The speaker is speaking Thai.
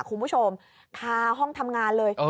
คุณผู้ชมคาห้องทำงานเลย